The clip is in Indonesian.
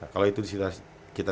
kalau itu disuruh kita